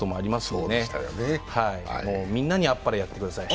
もうみんなにあっぱれやってください。